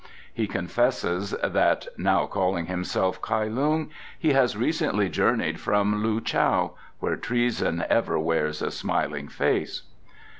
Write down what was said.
"He confesses that, now calling himself Kai Lung, he has recently journeyed from Loo chow, where treason ever wears a smiling face."